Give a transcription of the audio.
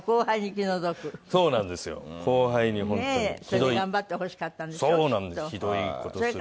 それで頑張ってほしかったんでしょ？